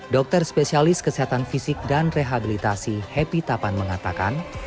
dokter spesialis kesehatan fisik dan rehabilitasi happy tapan mengatakan